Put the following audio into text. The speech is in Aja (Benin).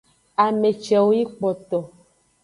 Ame cewo yi kpoto.